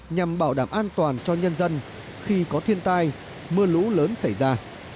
nhằm bảo đảm an toàn cho nhân dân khi có thiên tai mưa lũ lớn xảy ra